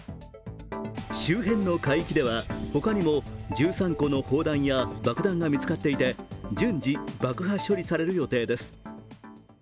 周辺の海域では他にも１３個の砲弾や爆弾が見つかっていて、順次、爆破処理される予定です。